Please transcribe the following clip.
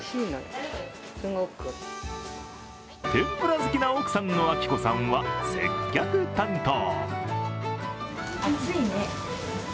天ぷら好きな奥さんの暁子さんは接客担当。